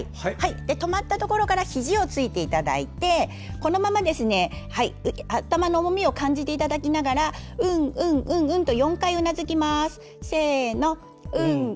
止まったところからひじをついていただいてこのまま頭の重みを感じていただきながら「うんうん」と４回うなずきます。